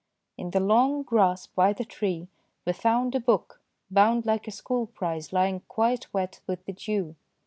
In the long grass by the tree we found a book bound like a school prize lying quite wet with the dew.